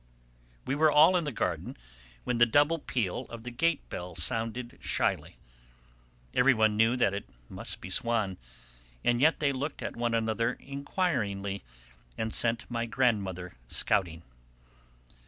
We were all in the garden when the double peal of the gate bell sounded shyly. Everyone knew that it must be Swann, and yet they looked at one another inquiringly and sent my grandmother scouting.